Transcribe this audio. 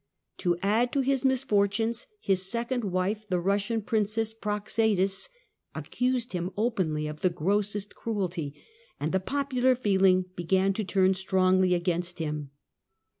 To add to his misfortunes, his second wife, the Eussian princess Praxedis, accused him openly of the grossest cruelty, and the popular feeling began to turn strongly against him.